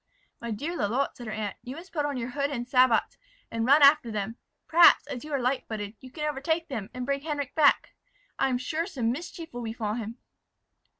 "My dear Lalotte," said her aunt, "you must put on your hood and sabots, and run after them. Perhaps, as you are light footed, you can overtake them, and bring Henric back. I am sure, some mischief will befall him."